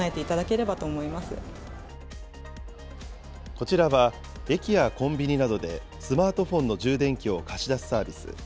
こちらは、駅やコンビニなどでスマートフォンの充電器を貸し出すサービス。